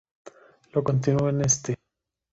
Lo continuó en St.